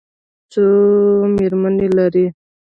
څو مېرمنې لري؟